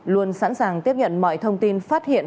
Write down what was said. luôn sẵn sàng tiếp nhận mọi thông tin phát hiện